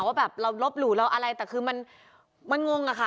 ว่าแบบเราลบหลู่เราอะไรแต่คือมันงงอะค่ะ